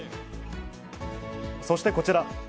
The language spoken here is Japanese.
そしてこちら。